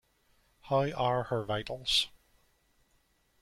How are her vitals?